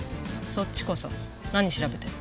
そっちこそ何調べてる？